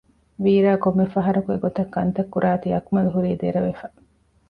ވީރާ ކޮންމެ ފަހަރަކު އެގޮތަށް ކަންތައް ކުރާތީ އަކުމަލް ހުރީ ދެރަވެފަ